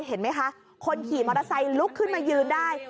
เห็นไหมคะคนขี่มอเตอร์ไซค์ลุกขึ้นมายืนได้